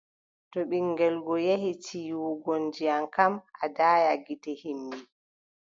To ɓiŋngel go yehi tiiwugo ndiyam kam, o daaya gite yimɓe.